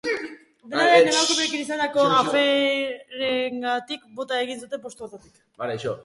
Dena den, emakumeekin izandako aferengatik bota egin zuten postu hartatik.